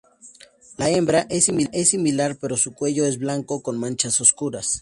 La hembra es similar, pero su cuello es blanco con manchas oscuras.